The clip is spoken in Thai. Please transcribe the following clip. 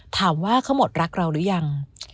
ถามว่าเขาหมดรักเราหรือยัง